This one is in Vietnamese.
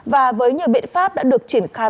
và với nhiều biện pháp đã được triển khai